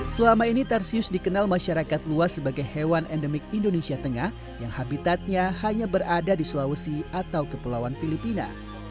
selama ini tarsius dikenal masyarakat luas sebagai hewan endemik indonesia tengah yang habitatnya hanya berada di sulawesi atau kepulauan filipina